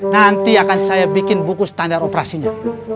nanti akan saya bikin buku standar operasinya